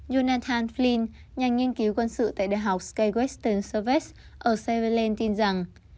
jonathan flynn nhà nghiên cứu quân sự tại đại học sky western service ở sutherland tin rằng